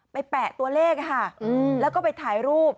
ไปแปะตัวเลขค่ะอืมแล้วก็ไปถ่ายรูป